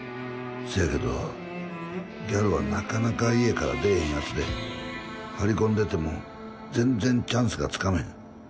せやけどギャロはなかなか家から出ぇへんヤツで張り込んでても全然チャンスがつかめへん。